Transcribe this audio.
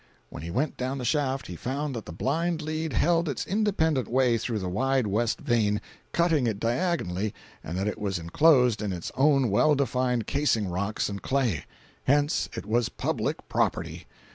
When he went down the shaft, he found that the blind lead held its independent way through the Wide West vein, cutting it diagonally, and that it was enclosed in its own well defined casing rocks and clay. Hence it was public property.